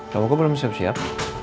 kamu kok belum siap siap